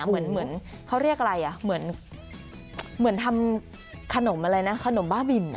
เหมือนเขาเรียกอะไรอ่ะเหมือนทำขนมอะไรนะขนมบ้าบิน